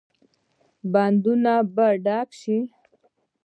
بندونه به ډک شي؟